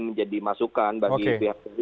menjadi masukan bagi pihak dari